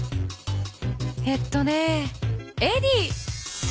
えっとねエディ。